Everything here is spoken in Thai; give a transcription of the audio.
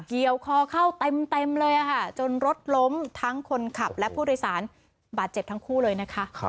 เกี่ยวคอเข้าเต็มเลยค่ะจนรถล้มทั้งคนขับและผู้โดยสารบาดเจ็บทั้งคู่เลยนะคะ